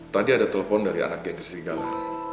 tadi ada telepon dari anak geng di serigala